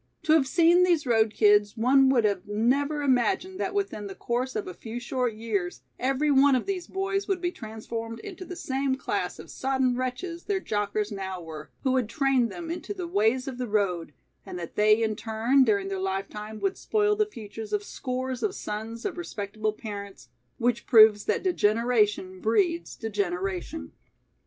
To have seen these road kids one would have never imagined that within the course of a few short years every one of these boys would be transformed into the same class of sodden wretches their jockers now were, who had trained them into the ways of the road, and that they in turn during their life time would spoil the futures of scores of sons of respectable parents, which proves that degeneration breeds degeneration.